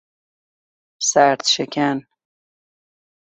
سردشکن